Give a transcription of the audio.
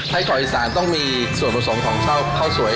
ไทยกรอกอีสานต้องมีส่วนผสมของเช่าข้าวสวย